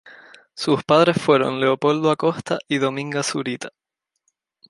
Sus padres fueron Leopoldo Acosta y Dominga Zurita.